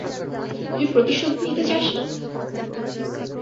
তুই প্রতিশোধ নিতে চাসনি?